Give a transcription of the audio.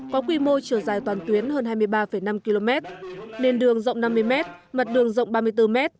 có quy mô chiều dài toàn tuyến hơn hai mươi ba năm km nền đường rộng năm mươi m mặt đường rộng ba mươi bốn m